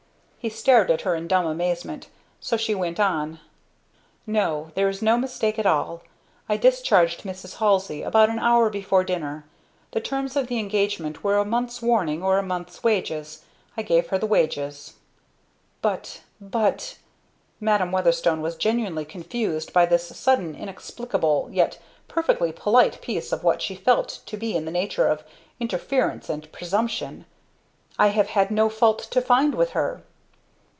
He stared at her in dumb amazement, so she went on, "No, there is no mistake at all. I discharged Mrs. Halsey about an hour before dinner. The terms of the engagement were a month's warning or a month's wages. I gave her the wages." "But! but!" Madam Weatherstone was genuinely confused by this sudden inexplicable, yet perfectly polite piece of what she still felt to be in the nature of 'interference' and 'presumption.' "I have had no fault to find with her."